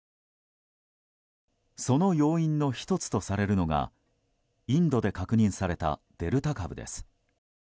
その要因の１つとされるのがインドで確認されたデルタ株です。